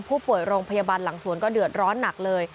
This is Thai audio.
ผู้ป่วยโรงพยาบาลหลังสวนก็เดือดร้อนหนักเลย